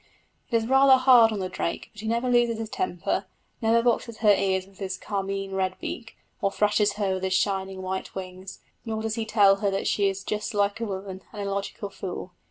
It is rather hard on the drake; but he never loses his temper, never boxes her ears with his carmine red beak, or thrashes her with his shining white wings, nor does he tell her that she is just like a woman an illogical fool.